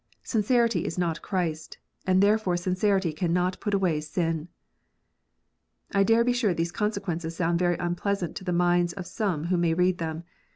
Sincerity is not Christ, and therefore sincerity cannot put away sin. I dare be sure these consequences sound very unpleasant to the minds of some who may read them.